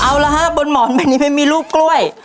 เอาละฮะบนหมอนแบบนี้ไม่มีรูปกล้วย